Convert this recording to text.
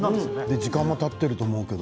時間はたっていると思うけど。